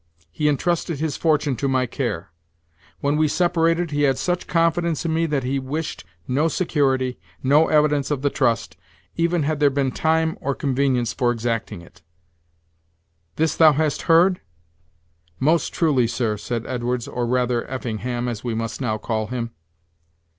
He intrusted his fortune to my care. When we separated he had such confidence in me that he wished on security, no evidence of the trust, even had there been time or convenience for exacting it. This thou hast heard?" "Most truly, sir," said Edwards, or rather Effingham as we must now call him.